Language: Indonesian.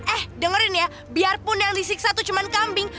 eh dengerin ya biarpun yang disiksa tuh cuman kambing